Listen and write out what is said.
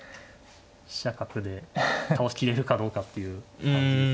飛車角で倒しきれるかどうかっていう感じですか。